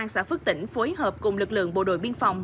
công an xã phước tỉnh phối hợp cùng lực lượng bộ đội biên phòng